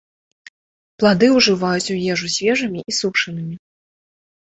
Плады ўжываюць у ежу свежымі і сушанымі.